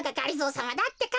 さまだってか。